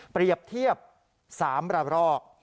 เปรียบเทียบ๓ระรอก